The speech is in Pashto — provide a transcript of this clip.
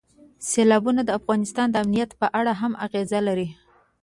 سیلابونه د افغانستان د امنیت په اړه هم اغېز لري.